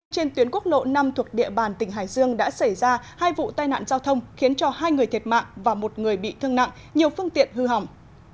trên tuyến quốc lộ năm thuộc địa bàn tỉnh hải dương đã xảy ra hai vụ tai nạn giao thông khiến cho hai người thiệt mạng và một người bị thương nặng nhiều phương tiện hư hỏng